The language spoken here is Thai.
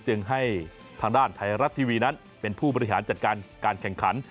จึงให้ทางด้านไทยรัฐทีวีนั้นเป็นผู้บริหารจัดการการแข่งขัน